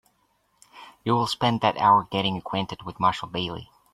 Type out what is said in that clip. You will spend that hour getting acquainted with Marshall Bailey.